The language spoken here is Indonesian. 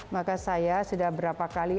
maka saya sudah berapa kali